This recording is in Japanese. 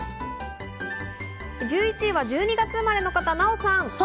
１１位は１２月生まれの方、ナヲさん。